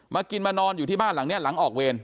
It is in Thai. กินมานอนอยู่ที่บ้านหลังนี้หลังออกเวร